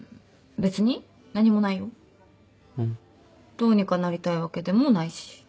どうにかなりたいわけでもないし。